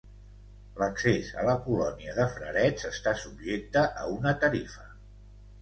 L'accés a la colònia de frarets està subjecte a una tarifa.